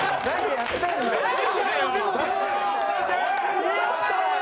やったー！